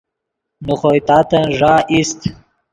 نے خوئے تاتن ݱا ایست